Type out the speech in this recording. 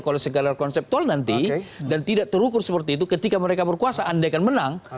kalau sekadar konseptual nanti dan tidak terukur seperti itu ketika mereka berkuasa andaikan menang